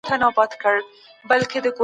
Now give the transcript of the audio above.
خپل ژوند د نورو په خدمت کي تېر کړه.